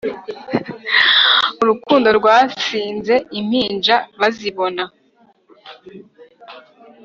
Urukundo rwasinze impinja bazibona